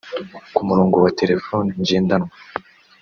Ku murongo wa telephone ngendanwa